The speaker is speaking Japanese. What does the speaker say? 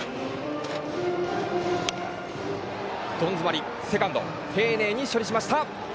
どん詰まり、セカンド丁寧に処理しました。